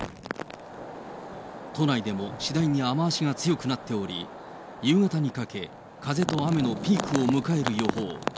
都内でも次第に雨足が強くなっており、夕方にかけ、風と雨のピークを迎える予報。